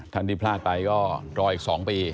ท่านที่พลาดไปก็รออีก๒ปี